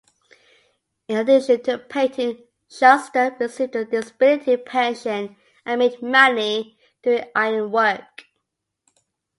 In addition to painting, Shuster received a disability pension and made money doing ironwork.